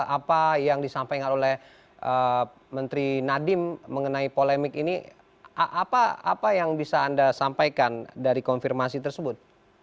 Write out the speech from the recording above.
apa yang disampaikan oleh menteri nadiem mengenai polemik ini apa yang bisa anda sampaikan dari konfirmasi tersebut